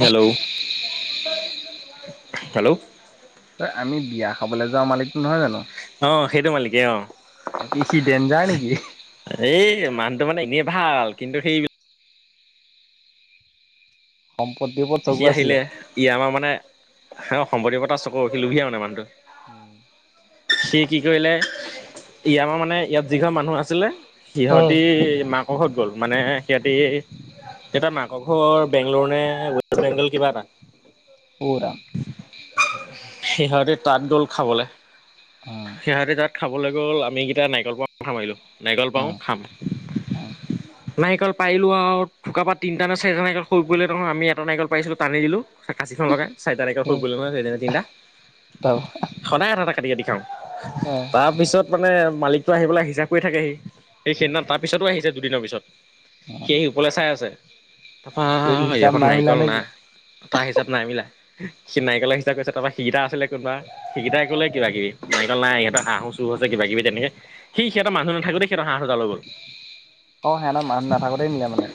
Hello! Hello! এই আমি বিয়া খাবলৈ যোৱা মালিকটো নহয় জানো? অঁ সেইটো মালিকেই অঁ। বাকী সি ডেঞ্জাৰ নেকি এই মানুহটো মানে এনেই ভাল কিন্তু সেই সম্পত্তি সি আহিলে ই আমাৰ মানে সম্পত্তিবত চকু সি লোভিয়া মানে মানুহটো [inaudible] সি কি কৰিলে ইয়া আমাৰ মানে ইয়াত যি ঘৰ মানুহ আছিলে। সিহঁতি অ মা কৰ ঘৰত গ'ল। মানে সিহঁতি সিহঁতৰ মাকৰ ঘৰ বেংগলৰ নে ৱেষ্ট বেগল কিবা এটা। [unintelligible] সিহঁতি তাত গ'ল খাবলৈ। উম সিহঁতি তাত খাবলৈ গ'ল, আমি কেইটা নাৰিকলৰ ওপৰত মাথা মাৰিলো। নাৰিকল পাৰো উম খাম। উম নাৰিকল পাৰিলোঁ আৰু থুকা পা তিনটা না চাৰিটা নাৰিকল হৰি পৰিলে নহয় আমি এটা নাৰিকল পাৰিছিলো টানি দিলোঁ। কাচিখন লগাই চাৰিটা নাৰিকল হৰি উম পৰিলে নহয় তিনটা নে চাৰিটা। তাৰ সদায় এটা এটা কাটি কাটি খাওঁ। উম তা তাৰ পিছত মানে মালিকটো আহি পেলাই হিচাপ কৰি থাকেহি। সেই সেইদিনা তাৰ পিছতো আহিছে দুদিনৰ পিছত। উম। সি ওপৰলৈ চাই আছে, হিচাপ নাই তাৰপৰা মিলা নেকি তাৰ হিচাপ নাই মিলা। সি নাৰিকল হিচাপ কৰিছে তাৰপিছত সিগিতা আছিলে কোনবা। সিগিতাই ক'লে কিবা কিবি নাৰিকল নাই ইহঁতৰ হাঁহো চুৰ হৈছে কিবা কিবি তেনেকে। সি সিহঁতৰ মানুহ নাথাকোতে সিহঁতৰ হাঁহ দুটা লৈ গ'ল। অ', হেঁতৰ মানুহ নাথাকোতেই নিলে মানে।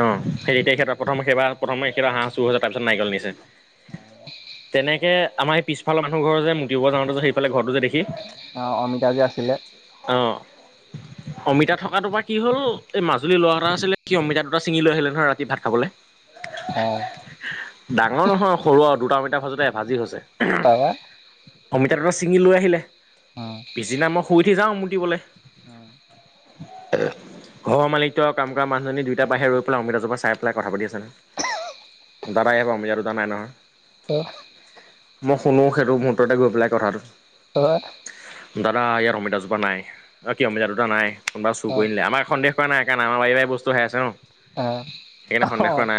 অ', সেই তেতিয়া সেই প্ৰথম সেইবাৰ প্ৰথমে হাঁহ চুৰ হৈছে তাৰপিছত নাৰিকল নিছে। তেনেকে আমাৰ এই পিছফালৰ মানুহ ঘৰ যে মুতিব যাওঁতে যে সেইফালে ঘৰটো যে দেখি। অঁ অমিতা যে আছিলে। অ'। অমিতা থকাটোৰ পৰা কি হ'ল, এই মাজুলী ল'ৰা এটা আছিলে সি অমিতা দুটা ছিঙি লৈ আহিলে ধৰ ৰাতি ভাত খাবলে। অ'। ডাঙৰ নহয় সৰু আৰু দুটা অমিতা ভাজোঁতে এভাজি হৈছে। তাৰপৰা অমিতা দটা ছিঙি লৈ আহিলে। পিছদিনা মই শুই উঠি যাওঁ মুতিবলে। উম। [inaudible] ঘ'ৰৰ মলিকটো আৰু কাম ক'ৰা মানুহজনী দুইটা বাহিৰত ৰৈ পেলাই অমিতা জোপা চাই পেলাই ক'থা পাতি আছে নহয়। [inaudible] দাদা এয়াৰ পৰা অমিতা দুটা নাই নহয়। ত। মই শুনো সেইটো মুহৰ্ততে গৈ পেলাই কথাটো। হয়। দাদা ইয়াত অমিতা জোপা নাই। আ, কি অমিতা দুটা নাই, কোনবা চুৰ কৰি নিলে। আমাক সন্দেহ কৰা নাই কাৰণ আমাৰ বাৰীৰ পৰাই বস্তু হেৰাইছে ন। আ, অহ। সেনা,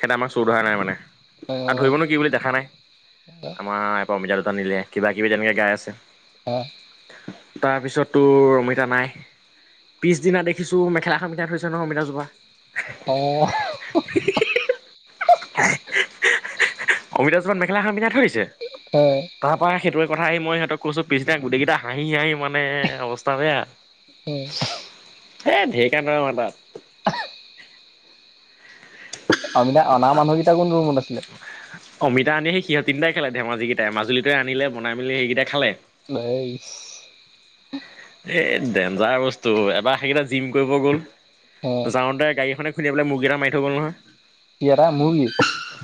সেনা আমাক চুৰ ধৰা নাই মানে। আৰু ধৰিবনো কি বুলি দেখা নাই। আমা প, অমিতা দুটা নি'লে, কিবা কিবি তেনেকে গাই আছে। অ। তাৰপিছত তোৰ অমিতা নাই। পিছদিনা দেখিছোঁ মেখেলাখন থৈছে ন' অমিতা জোপা। অ'। হা হি হা হি। অমিতা জোপাত মেখেলাখন পিন্ধাই থৈ আহিছে। তাৰ পৰা সেইটোয়ে কথা আহি মই সিহঁতক কৈছোঁ পিছদিনা গোটেইকেইটা হাঁহি হাঁহি মানে অৱস্থা বেয়া। উম। এ, ঢেৰকানেও এটা। [inaudible] অমিতা অনা মানুহ কেইটা কোনটো ৰুমত আছিলে। অমিতা আনি সেই সিহঁত তিনটাই খেলে, ধেমাজি কেইটাই মাজুলীটে আনিলে বনাই মেলি সেইকেইটাই খালে। বাইচ। এ, ডেঞ্জাৰ বস্তু এবাৰ সেইকেইটা জিম কৰিব গ'ল। অ যাওতে গাড়ী এখনে খুলিয়াই পেণে মুৰ্গী এটা মাৰি থৈ গ'ল নহয়। ই এটা মুৰ্গী।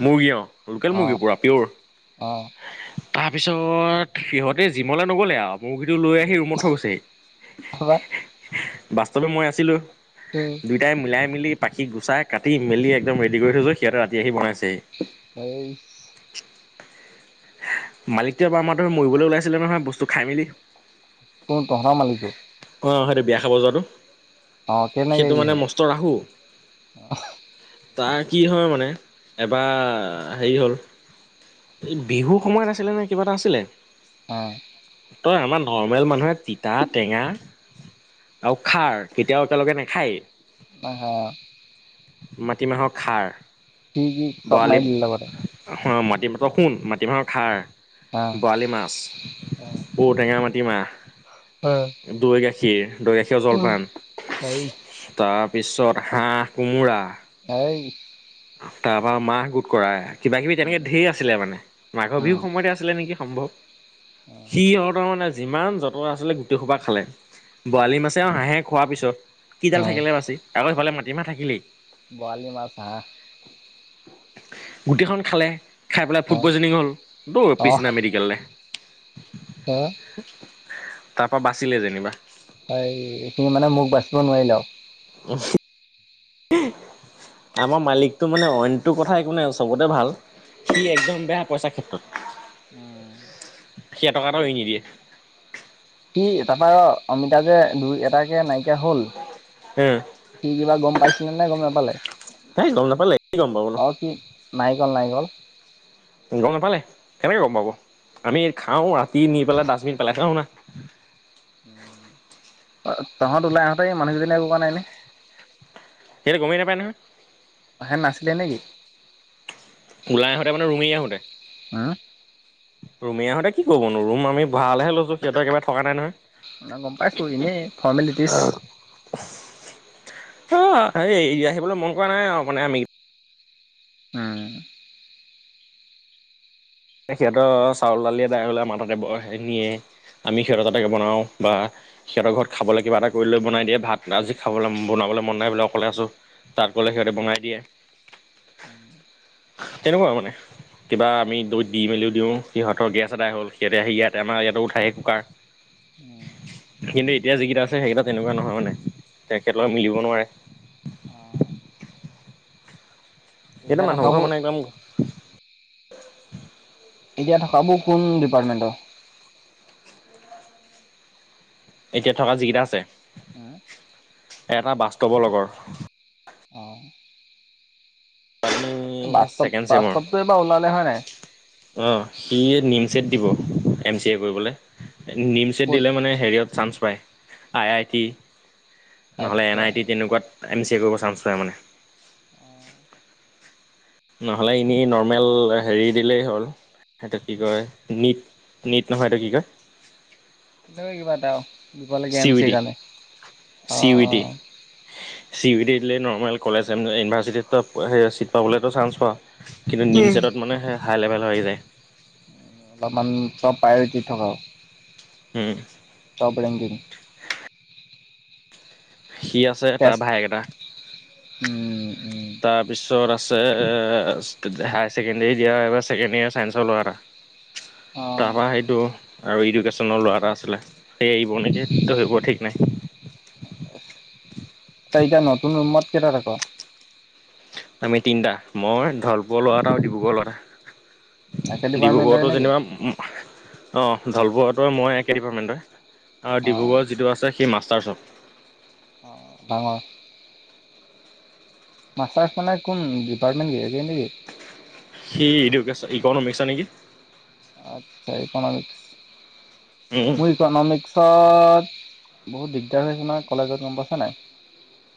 মুৰ্গী অ', লোকেল অ মুৰ্গী পুৰা অ পিয়ৰ। তাৰপিছত সিহঁতে জিমলৈ নগ'লে আৰু। মুৰ্গীটো লৈ আহি ৰুমত থৈ গৈছেহি। তাৰপা বাস্তৱে মই আছিলোঁ। উম। দুইটাই মিলাই-মেলি, পাখি গুচাই, কাটি-মেলি একদম ৰেডি কৰি থৈ গৈ, সিহঁতে ৰাতি আহি বনাইছেহি। এই। মালিকটো এবাৰ আমাৰ‌ তাত মৰিবলৈ ওলাইছিলে নহয়, বস্তু খাই মেলি। কোন, তহঁতৰ মালিকটো? অহ সেইটো, বিয়া খাব যোৱাটো। অ কেনেকে সেইটো কি মানে হ'ল মস্ত ৰাহু। তাৰ কি হয় মানে- বা হেৰি হ'ল, এই বিহু সময়ত আছিলে নে, কিবা এটা আছিলে। অহ। তই আমাৰ নৰ্মেল মানুহে তিতা, টেঙা- আৰু খাৰ, কেতিয়াও একেলগে নেখায়ে। অ', হ'। মাটিমাহৰ খাৰ। কি কি চব মাৰি দিল লগতে। অহ, মাটিমাটো শুণ। মাটিমাহৰ খাৰ। অ বোৱালী মাছ, অ ঔটেঙা, মাটিমাহ। অ। দৈ-গাখীৰ। দৈ-গাখীৰৰ জলপান। এই তাৰ পিছত হাঁহ-কোমোৰা। অই। তাৰ পৰা মাহ গোট কৰা। কিবা-কিবি তেনেকে উম ঢেৰ আছ- ছিলে মানে। মাঘৰ বিহু সময়তে আছিলে নেকি সম্ভৱ। উম সি সিহঁতৰ মানে যিমান যত- তৰ আছিলে গোটেই খোপা খালে। বোৱালি মাছেও হাঁহে খোৱাৰ পিছত। কিডাল থাকিলে বাচি? আকৌ ইফালে মাটিমাহ থাকিলেই। বৱালি মাছ, হাঁহ। গোটেইখন খালে, খাই পেলাই ফুড পইজনিং হ'ল। তু পিছদিনা মেডিকেললে। হা? তাৰ পৰা বাচিলে যেনিবা। হয়। এইখিনি মানে মুখ বাচিব নোৱাৰিলে আৰু। উম। হি। আমাৰ মালিকটো মানে অইনটো কথা একো নাই, চবতে ভাল। সি একদম বেয়া, পইচাৰ ক্ষেত্ৰত। উম। সি এটকাও এৰি নিদিয়ে। কি তাৰপৰা ৰ'। অমিতা যে দুই এটা কে নাই- কিয়া হ'ল। উম সি কিবা গম পাইছিলে নে গম নাপালে? তাই গম নাপালে। কি গম পাব নু। অ কি নাৰিকল, নাৰিকল। গম নাপালে। কেনেকে গম পাব? আমি খাওঁ, ৰাতি নি পেলাই ডাস্টবিন পেলাই থৈ আহোঁ না। উম। অ', তহঁত ওলাই আহঁতে মানুহজনীয়ে একো কোৱা নাই নে? সেইটো গমে নেপায় নহয়। অ' হে' নাছিলে নেকি? ওলাই আহোঁতে মানে ৰুম এৰি আহোঁতে? উম, ৰুম এৰি অহোঁতে কি ক'ব নো? ৰুম আমি ভালহে লৈছোঁ। সিহঁতক কিবা ঠগা নাই নহয়। না গম পাইছোঁ। এনে ফৰ্মেলিটিজ। অ' এই' ই' আহিবলৈ মন কৰা নাই ন? মানে আমি- উম। এ সিহঁতৰ চাউল দালি ইয়াত অহিবলে মাঠাটো বৰ হেঙিয়ে। আমি সিহঁতৰ তাতে গৈ উম, বনাওঁ, বা- সিহঁতৰ ঘৰত খাবলৈ কিবা এটা কৰি লৈ বনাই দিয়ে ভাত আজি খাবলৈ বনাবলৈ মন নাই বোলে অকলে আছোঁ। তাত গ'লে সিহঁতে বনাই দিয়ে। তেনেকুৱা মানে কিবা আমি দৈ। দি মেলিও দিওঁ সিহঁতৰ গেছ এদাই হ'ল সিহঁতে আহি ইয়াতে আমাৰ ইয়াতো উঠাই হি কুকাৰ। কিন্তু এতিয়া যিকেইটা আছে সেইকেইটা তেনেকুৱা নহয় মানে তেখেতৰ লগত আচ্ছা। মিলিব নোৱাৰে। [inaudible] সিহঁতৰ এতিয়া মানুহ ঘৰ থকাবোৰ মানে ইমান। এতিয়া থকা বোৰ কোন ডিপাৰ্টমেণ্টৰ। এতিয়া থকা যিকেইটা আছে এটা বাস্তৱৰ লগৰ। অ', আমি বাস্তৱ ছেকেণ্ড চেমৰ বাস্তৱতটো এইবাৰ ওলালে হয় নাই। অঁ সি নিম চছেট দিব এম চি এ কৰিবলৈ। নিম চছেট ক'ত দিলে মানে হেৰিত চান্স পায় আই আই টি। নহ'লে আচ্ছা এন আই টি তেনেকুৱাত এম চি এ কৰিব চান্স পায় মানে। [inaudible] নহ'লে এনেই নৰ্মেল হেৰি দিলেই হ'ল। সেইটো কি কয় নীট নীট নহয় এইটো কি কয়। আছে আৰু কিবা এটা দিব লাগে M U E C T কাৰণে অ চি ইউ ই টি অ। চি ইউ ডি দিলে নৰ্মেল কলেজ চিট পাবলৈ তই চান্স পাম। কিন্তু নিম অ'। চছেটত মানে হাই লেভেল হৈ যায়। অলপমান টপ প্ৰায়ৰিটি থকা। উম। Top ranking. সি আছে তাৰ টেষ্ট ভায়েক এটা উম, উম, তাৰ পিছত আছে হায় ছেকেণ্ডৰী দিয়া ছেকেণ্ড ইয়েৰ চাইন্সৰ ল'ৰা এটা। অ'। তাৰপৰা সেইটো আৰু এডুকেশ্যনৰ ল'ৰা এটা আছিলে সেই আহিব নেকি ত সেইবোৰ ঠিক [inaudible] ত এতিয়া নতুন ৰুমত কেইটা থাকক? আমি তিনিটা মই ধলপৰ ল'ৰা এটা আৰু ডিব্ৰুগড় ল'ৰা এটা। একে ডিপাৰ্টমেণ্টৰে ডিব্ৰুগডটৈ নেকি যেনিবা অঁ ধলপুৰটো মই একে ডিপাৰ্টমেণ্টৰ। আৰু অ ডিব্ৰুগড় যিটো আছে সেই মাষ্টাৰ্ছ। অ ডাঙৰ। মাষ্টাৰ্ মানে কোন ডিপাৰ্টমেণ্টে দিয়ে নেকি? সি ইকনমিক্সৰ নেকি? আচ্ছা ইকনমিক্স। উম ইকনমিক্সত বহুত দিগদাৰ হৈ আছে নহয় কলেজত গম পাইছা নাই।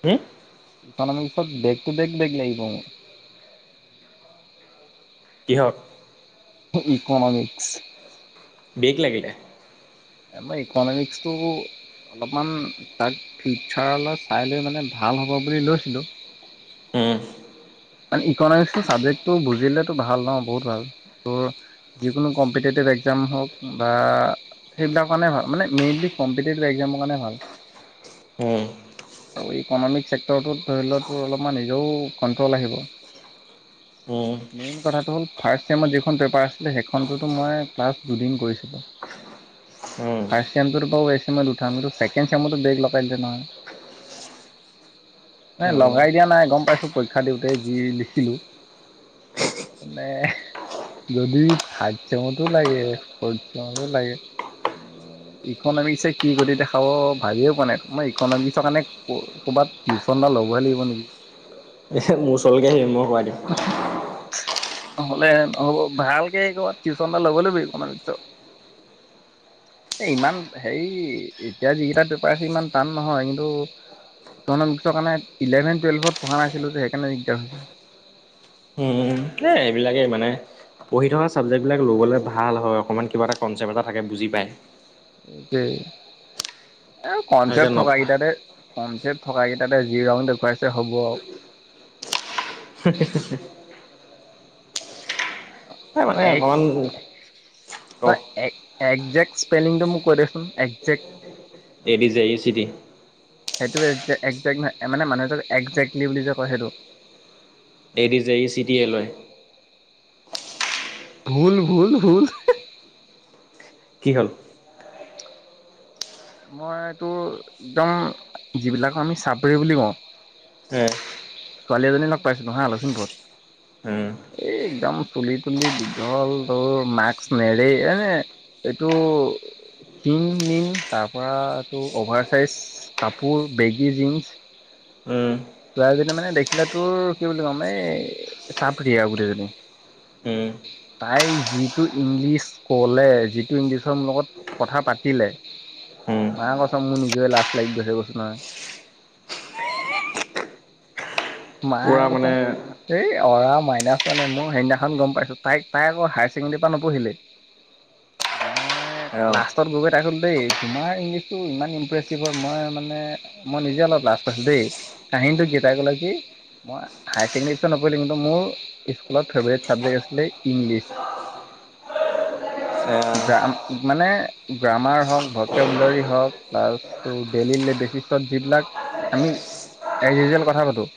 কি? ইকনমিক্সত বেগ টু বেগ বেগ লাগিব মোৰ। কিহত? ইকনমিক্স। বেগ লাগিলে। মই ইকনমিক্সটো অলপমান তাক ফিউচাৰলৈ চাই লৈ মানে ভাল হ'ব বুলি লৈছিলোঁ। উম। মানে ইকনমিক্সৰ চাবজেক্টটো বুজিলেতো ভাল ন বহুত ভাল। যিকোনো কম্পিটিটিভ এক্সাম হওঁক বা সেইবিলাক কাৰণে ভাল মানে মেইনলি কম্পিটিভ একজামৰ কাৰণে ভাল। উম। ইকনমিক চেক্টৰটোত ধৰি লওতো অলপমান এনেয়ো কন্ট্ৰল আহিব। উম। মেইন কথাটো হ'ল ফাৰ্ষ্ট চেমত যিখন পেপাৰ আছিলে সেইখনতো মই ক্লাছ দুদিন কৰিছিলোঁ। উম ফাৰ্ষ্ট চেমটোৰ বাৰু এইট ছেমত উঠাম চেকেণ্ড চেমত বেগ লগাই দিছে নহয়। [unintelligible] নাই উম লগাই দিয়া নাই গম পাইছো পৰীক্ষা দিওঁতে যি লিখিলোঁ। মানে যদি থাৰ্ড চেমতো লাগে ফৰ্থ চেমতো লাগে। ইকনমিক্সনে কি কৰি দেখাব ভাবিয়ে পোৱা নাই মই ইকনমিক্সৰ কাৰণে ক কৰবাত টিউশ্যন এটা লবই লাগিব নেকি। এ মোৰ ওচৰলৈ আহিবি মই কৰাই দিম। নহ'লে নহ'ব ভালকে ক'ৰবাত টিউশ্যন এটা ল'ব লাগিব। এ ইমান হেৰি এতিয়া যিকেইটা পেপাৰ আছে ইমান টান নহয় কিন্তু ইকনমিক্সৰ কাৰণে ইলেভেন টুৱেল্ভত পঢ়া নাছিলো যে সেইকাৰণে দিগদাৰ হৈছে। উম। এ এইবিলাকেই মানে। পঢ়ি থকা চাবজেক্টবিলাক ল'বলে ভাল হয়। অকণমান কিবা এটা কনচেপ্ট এটা থাকে, বুজি পায়। সেইটোৱে এ এতিয়া কনচেপ্ট নপ থকাকেইটাৰে কমচেপ থকা কেইটাতে যি ৰং দেখুৱাইছে হ'ব। উম, হা, হা। মানে এই অকণমান ক এক একজেক্ট স্পেলিংটো মোক কয় দিয়কচোন একজেক্ট। এ দি যে ই চি টি। সেইটো এক মানে মানুহক এক্সজেক্ট নেম বুলি যে কয় সেইটো। A D J C T A Y. ভুল- ভুল- ভুল। কি হ'ল? মই এইটো একদম যিবিলাক আমি চাপৰি বুলি কওঁ। উম। ছোৱালী এজনী লগ পাইছিলো হা, লখিমপুৰৰ। উম, এই একদম চুলি- তুলি দীঘল তোৰ মাস্ক নেৰে এনে আ। এইটো ক্ষীণ-মিন। তাৰপৰাতো অ'ভাৰ চাইজ কাপোৰ বেগী জীন্স। উম। ছোৱালীজনী মানে দেখিলা তোৰ কি বুলি ক'ম এই চাপৰী আৰু গোটেইজনী। উম, তাই যিটো ইংলিছ ক'লে, যিটো ইংলিছৰ মোৰ লগত কথা পাতিলে, উম, মা কচম মোৰ নিজৰে লাজ লাগি গৈছে কৈছো নহয়। মা পূৰা মানে কচম। এই অৰা মাইনাছ মানে মই সেইদিনাখন গম পাইছো। তাইক- তাই আকৌ হায়াৰ ছেকেণ্ডেৰীৰ পৰা নপঢ়িলেই। [unintelligible] [unintelligible] মই অ' লাষ্টত গৈ- গৈ তাই ক'লে দেই, তোমাৰ ইংলিছটো ইমান ইমপ্ৰেচিভ হয় মই মানে মই নিজে অলপ লাজ পাইছো দেই। কাহিনীটো গেইটাই গলে কি মই হায়াৰ ছেকেণ্ডেৰীৰ নপঢ়িলে, নকৰিলোঁ কিন্তু মোৰ স্কুলত ফেভৰেট ছাবজেক্ট আছিলে ইংলিছ। [unintelligible] গ্ৰাম মানে গ্ৰামাৰ হওক, ভকোবুলাৰী হওক, প্লাছ ত' ডেইলি বেচিছত যিবিলাক আমি এজ ইজুৱেল কথা পাতো।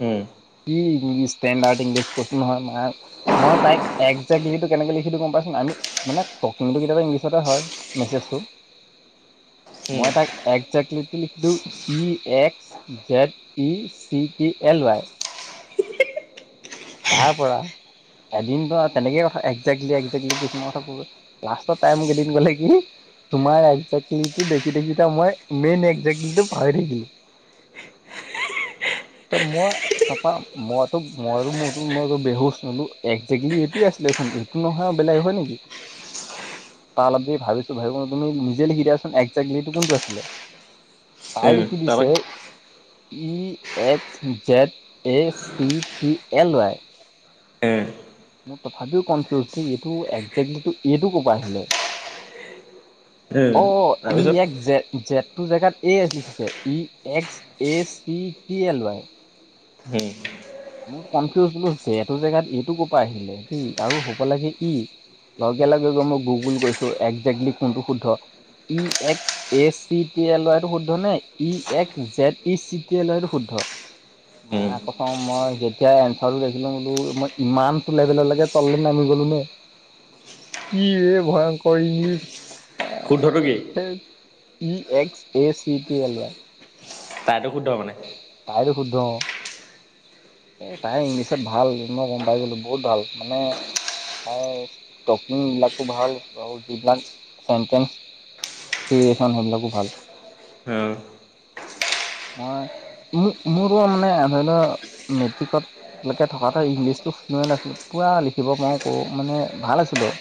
উম। কি ইংলিছ ষ্টেণ্ডাৰ্ট ইংলিছ, কৈছোঁ নহয় ভাই। মই তাইক একজেক্টলী লিখাটো কেনেকে লিখে গ'ম পইছা নাই, আমি মানে টকিংটো কেতিয়াবা ইংলিছতে হয়, মেছেজটো। উম। মই তাইক একজেক্টলি লিখি দিওঁ E X Z E C T L Y. তাৰ পৰা এদিনটো, তেনেকে কথা এক্টজেলী- এক্টজেলী কিছুমান কিছুমান কলো। লাষ্টত তাই এদিন কলে কি তোমাৰ একজেক্টলিটো দেখি- দেখি মই মেইন একজেক্টলিটো পাহৰি থাকিলো। [unintelligible] ত, মই তাৰপৰা মইতো, মই মোৰ মই বেহুজ হলো একজেক্টলি এইটোয়ে আছিলে। এখন এইটো নহয় আৰু বেলেগ হয় নেকি? তাৰ আ, ভাবিছো ভাবি তুমি নিজে লিখি দিয়াচোন, এক্টজেলি এইটো কোনটো আছিলে। তাই উম লিখি তাৰপা দিছে। E X Z A C P L Y. উম মোৰ তথাপিও কনফিউজ এইটো একজেক্টলি এইটো কপা আহিলে। [unintelligible] অ ই তাৰপিছত এক্স জেদ জেদ টোৰ জেগাত এ লিখিছে E X. A C T L Y. উম। মোৰ কনফিউজ বোলো যেটো জেগাত এইটো কপা আহিলে দেই আৰু হ'ব লাগে ই। ঘৰ গৈ মই গুগুল গৈছো একজেক্টলি কোনটো শুদ্ধ, E X A C T A L ৱাইটো শুদ্ধ নে, E X Z E C T A এইটো শুদ্ধ। মা উম কচম মই যেতিয়া এনচাৰটো দেখিলো বোলো মই ইমানটো লেভেলকে তললে নামি গলোঁ নে কি এ ভয়ংকৰ শুদ্ধটো কি English E X A C T L Y. তাইতো শুদ্ধ মানে। তাইৰো শুদ্ধ অ। এ তাই ইংলিছত ভাল মই গম পাই গলোঁ বহুত ভাল মানে তাই টকিংবিলাকো ভাল আৰু যিবিলাক চেন্টেঞ্চ ফৰি চন সেইবিলাকো ভাল। উম। মই মোৰো মানে ধৰি লহ মেট্ৰিকত। কে থকাত ইংলিছো শুনোৱে নাছিলো পুৰা লিখিব পাৰো ক মানে ভাল আছিলোঁ।